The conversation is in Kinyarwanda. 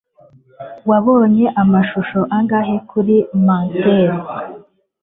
wabonye amashusho angahe kuri mantel